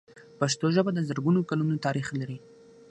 پښتو ژبه د زرګونو کلونو تاریخ لري.